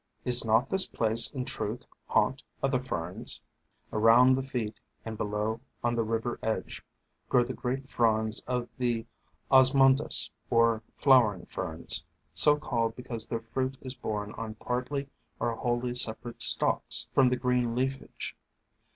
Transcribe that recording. Is not this place in truth haunt of the Ferns ?" Around the feet and below on the river edge, grow the great fronds of the Osmundas, or Flow ering Ferns, so called because their fruit is borne on partly or wholly separate stalks from the green leafage.